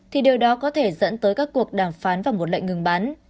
thì điều đó có thể dẫn tới các cuộc đàm phán và một lệnh ngừng bắn